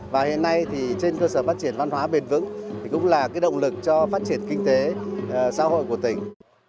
và hiện nay thì trên cơ sở phát triển văn hóa bền vững thì cũng là cái động lực cho phát triển kinh tế xã hội của tỉnh